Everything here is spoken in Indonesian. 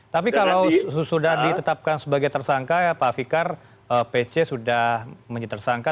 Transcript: tapi kalau sudah ditetapkan sebagai tersangka ya pak fikar pc sudah menjadi tersangka